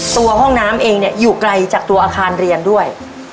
ตัวห้องน้ำเองเนี่ยอยู่ไกลจากตัวอาคารเรียนด้วย